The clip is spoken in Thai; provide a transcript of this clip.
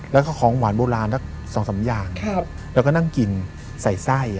แล้วก็ของหวานโบราณสัก๒๓อย่างแล้วก็นั่งกินใส่ไส้